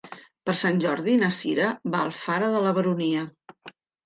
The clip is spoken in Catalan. Per Sant Jordi na Cira va a Alfara de la Baronia.